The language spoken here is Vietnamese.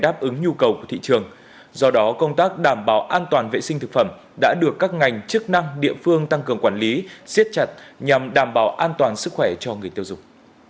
đáp ứng nhu cầu của thị trường do đó công tác đảm bảo an toàn vệ sinh thực phẩm đã được các ngành chức năng địa phương tăng cường quản lý siết chặt nhằm đảm bảo an toàn sức khỏe cho người tiêu dùng